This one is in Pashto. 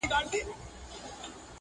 په ګوزار یې د مرغه زړګی خبر کړ-